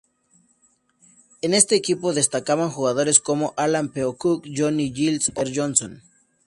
En este equipo destacaban jugadores como Alan Peacock, Johnny Giles o Hunter Johnson.